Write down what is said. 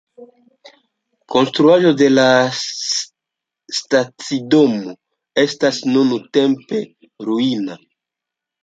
Konstruaĵo de la stacidomo estas nuntempe ruina.